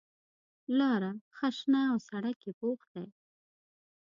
لاره ښه شنه او سړک یې پوخ دی.